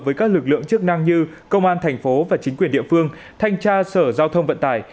với các lực lượng chức năng như công an thành phố và chính quyền địa phương thanh tra sở giao thông vận tải